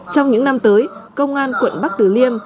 trong những năm tới công an quận bắc từ điêm